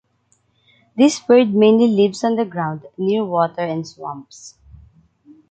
This bird mainly lives on the ground, near water and swamps.